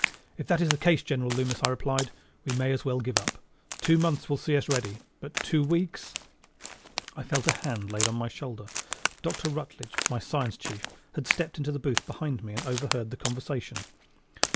"If that is the case, General Loomis," I replied, "we may as well give up. Two months will see us ready. But two weeks !" I felt a hand laid on my shoulder. Dr. Rutledge, my science chief, had stepped into the booth behind me and overheard the conversation.